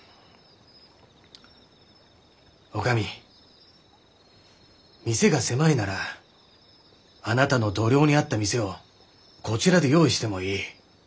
女将店が狭いならあなたの度量に合った店をこちらで用意してもいい。